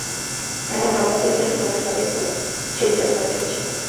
এখন হামরা কুনদিন বাংলাদেশের নাগরিক হমো, সেই দিনটার জন্য অপেক্ষা করছি।